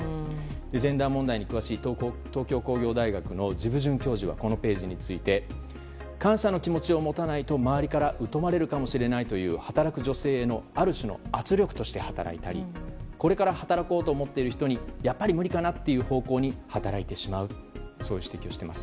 ジェンダー問題に詳しい東京工業大学の治部准教授はこのページについて感謝の気持ちを持たないと周りから疎まれるかもしれないという働く女性へのある種の圧力として働いたりこれから働こうと思っている人にやっぱり無理かなという方向に働いてしまうという指摘をしています。